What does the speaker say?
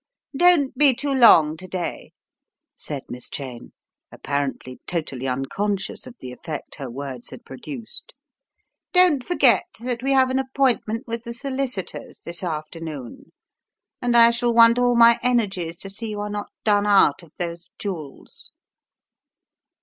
"Don't be too long to day," said Miss Cheyne, apparently totally unconscious of the effect her words had produced. "Don't forget that we have an appointment with the solicitors this afternoon, and I shall want all my energies to see you are not done out of those jewels."